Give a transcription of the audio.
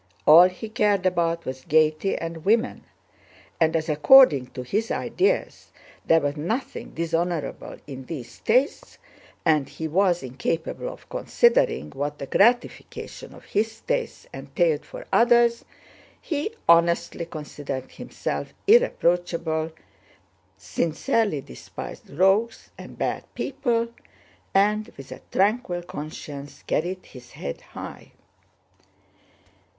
All he cared about was gaiety and women, and as according to his ideas there was nothing dishonorable in these tastes, and he was incapable of considering what the gratification of his tastes entailed for others, he honestly considered himself irreproachable, sincerely despised rogues and bad people, and with a tranquil conscience carried his head high.